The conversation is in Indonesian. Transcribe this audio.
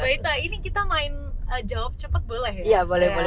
mbak ita ini kita main jawab cepat boleh ya